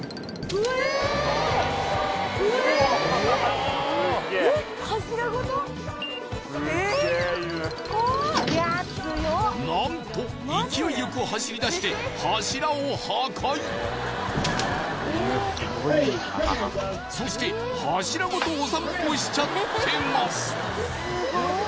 うわっ何と勢いよく走りだしてそして柱ごとお散歩しちゃってます